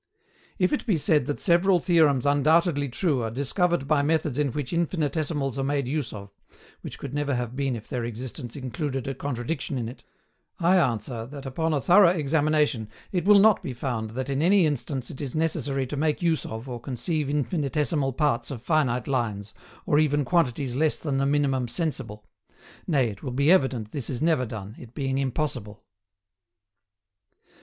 If it be said that several theorems undoubtedly true are discovered by methods in which infinitesimals are made use of, which could never have been if their existence included a contradiction in it; I answer that upon a thorough examination it will not be found that in any instance it is necessary to make use of or conceive infinitesimal parts of finite lines, or even quantities less than the minimum sensible; nay, it will be evident this is never done, it being impossible.